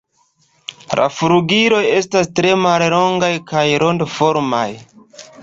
La flugiloj estas tre mallongaj kaj rondoformaj.